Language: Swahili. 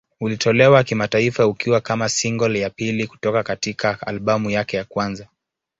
Ulitolewa kimataifa ukiwa kama single ya pili kutoka katika albamu yake ya kwanza.